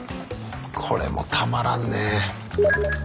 これもたまらんね。